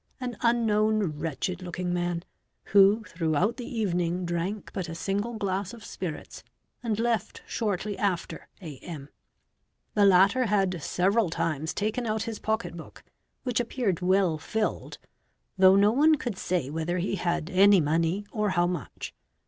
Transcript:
an unknown, wretched looking man, who throughout the evening drank but a single glass of spirits and left shortly after A.M. The latter — had several times taken out his pocket book, which appeared well filled, — though no one could say whether he had any money or how much.